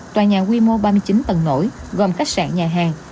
tòa nhà quy mô ba mươi chín tầng nổi gồm khách sạn nhà hàng